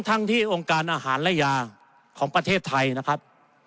ทั้งที่องค์การอาหารและยาของประเทศไทยนะครับ